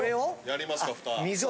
やりますか蓋。